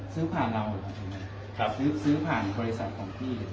ซื้อผ่านเราหรือเปล่าครับซื้อผ่านบริษัทของพี่